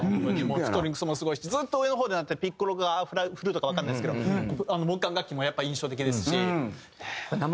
ストリングスもすごいしずっと上の方で鳴ってるピッコロかフルートかわかんないですけど木管楽器もやっぱ印象的ですし。